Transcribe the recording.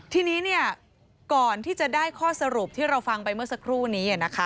ทีนี้ก่อนที่จะได้ข้อสรุปที่เราฟังไปเมื่อสักครู่นี้